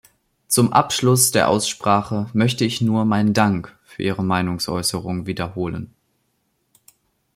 Zum Abschluss der Aussprache möchte ich nur meinen Dank für Ihre Meinungsäußerungen wiederholen.